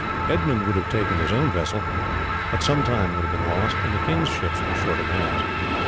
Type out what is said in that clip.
Edmund would have taken his own vessel, but some time would have been lost, and the king's ships were short of hands.